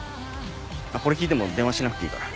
あっこれ聞いても電話しなくていいから。